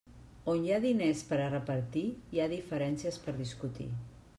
On hi ha diners per a repartir, hi ha diferències per discutir.